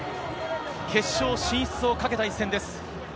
決勝進出をかけた一戦です。